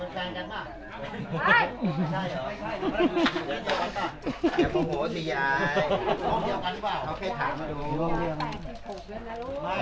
คุณแม่อยู่ว่ะครับผมขอบคุณนะครับนี่อีกหลังเดียวครับ